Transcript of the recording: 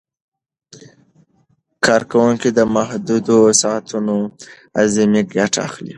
کارکوونکي د محدودو ساعتونو اعظمي ګټه اخلي.